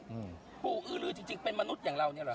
อืมปู่อือลือจริงเป็นมนุษย์อย่างเรานี่หรือ